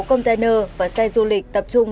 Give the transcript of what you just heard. container và xe du lịch tập trung